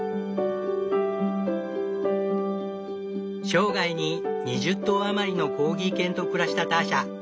生涯に２０頭余りのコーギー犬と暮らしたターシャ。